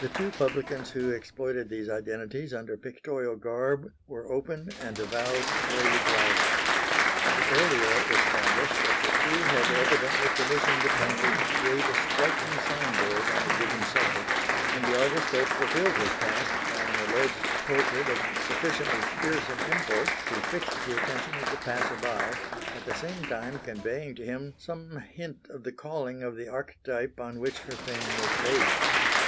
The two publicans who exploited these identities under pictorial garb were open and avowed trade rivals. The earlier established of the two had evidently commissioned a painter to create a striking sign board on a given subject, and the artist had fulfilled his task by an alleged portrait of sufficiently fearsome import to fix the attention of the passer by, at the same time conveying to him some hint of the calling of the archetype on which her fame was based.